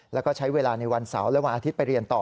แล้วก็ใช้เวลาในวันเสาร์และวันอาทิตย์ไปเรียนต่อ